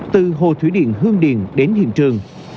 từ hồ thủy điện hương điền đến hiện trường